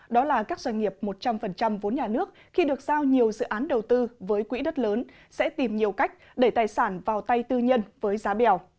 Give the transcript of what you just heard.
đó là các doanh nghiệp một trăm linh vốn nhà nước khi được giao nhiều dự án đầu tư với quỹ đất lớn sẽ tìm nhiều cách để tài sản vào tay tư nhân với giá bèo